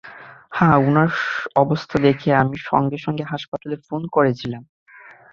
হ্যাঁ, ওনার অবস্থা দেখে আমি সঙ্গে সঙ্গে হাসপাতালে ফোন করেছিলাম।